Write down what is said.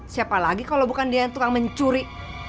siapa lagi kalau bukan dia yang tukang mencuri